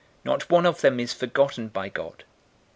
Not one of them is forgotten by God.